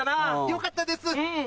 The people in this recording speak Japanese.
よかったです。